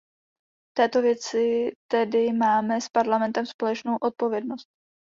V této věci tedy máme s Parlamentem společnou odpovědnost.